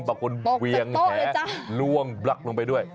บรักคนเวี่ยงแถล่วงขักลงไปด้วย